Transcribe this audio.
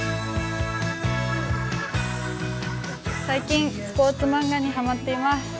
最近、スポーツ漫画にハマっています。